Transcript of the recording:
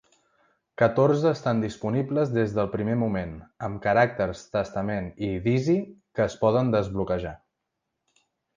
Catorze estan disponibles des del primer moment, amb caràcters Testament i Dizzy que es poden desbloquejar.